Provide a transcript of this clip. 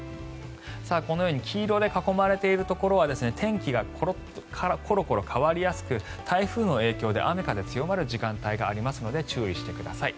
このように黄色で囲まれているところは天気がコロコロ変わりやすく台風の影響で雨、風強まる時間帯もあるので注意してください。